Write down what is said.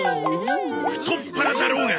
太っ腹だろうが！